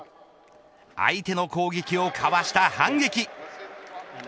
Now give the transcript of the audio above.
相手の攻撃をかわした反撃。